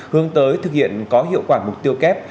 hướng tới thực hiện có hiệu quả mục tiêu kép